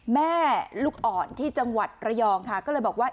แม่ลูกอ่อนที่จังหวัดระยองค่ะก็เลยบอกว่า